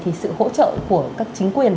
thì sự hỗ trợ của các chính quyền